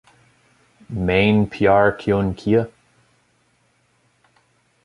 Maine Pyaar Kyun Kiya?